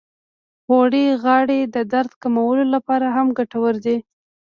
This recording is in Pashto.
غوړې د غاړې د درد کمولو لپاره هم ګټورې دي.